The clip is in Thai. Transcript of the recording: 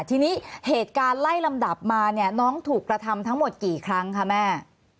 ทีนี้เหตุการณ์ไล่ลำดับมาเนี่ยน้องถูกกระทำทั้งหมดกี่ครั้งคะแม่